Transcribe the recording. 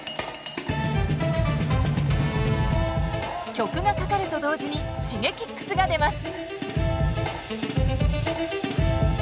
曲がかかると同時にＳｈｉｇｅｋｉｘが出ます。